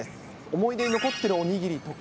思い出に残ってるお握りとか。